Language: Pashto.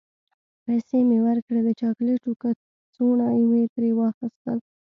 پیسې مې ورکړې، د چاکلیټو کڅوڼه مې ترې واخیستل.